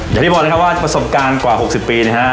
อย่างที่บอกนะครับว่าประสบการณ์กว่า๖๐ปีนะฮะ